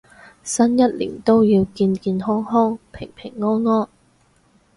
新一年都要健健康康平平安安